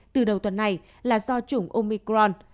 từ đầu tuần này là do chủng omicron